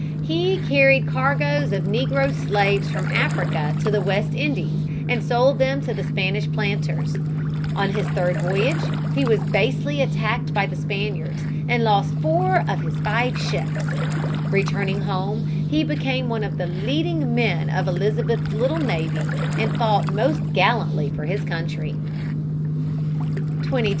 He carried cargoes of negro slaves from Africa to the West Indies and sold them to the Spanish planters. On his third voyage he was basely attacked by the Spaniards and lost four of his five ships. Returning home, he became one of the leading men of Elizabeth's little navy and fought most gallantly for his country. [Illustration: SIR FRANCIS DRAKE.] [Sidenote: Drake on the California coast, 1577 78.